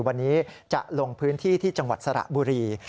วันนี้จะลงพื้นที่ที่จังหวัดสระบุรี